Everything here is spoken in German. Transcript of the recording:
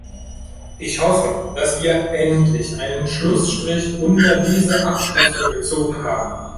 Ich hoffe, dass wir endlich einen Schlussstrich unter diese Abschlüsse gezogen haben.